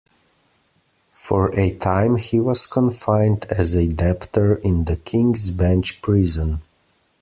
For a time he was confined as a debtor in the King's Bench Prison.